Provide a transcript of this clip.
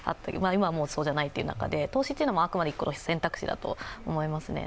今はもうそうじゃないという中で投資というのはあくまで選択肢だと思いますね。